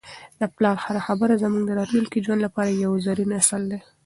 د پلار هره خبره زموږ د راتلونکي ژوند لپاره یو زرین اصل دی.